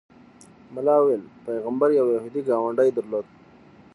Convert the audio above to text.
ملا ویل پیغمبر یو یهودي ګاونډی درلود.